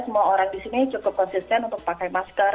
semua orang di sini cukup konsisten untuk pakai masker